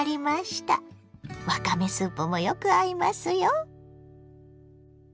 わかめスープもよく合いますよ。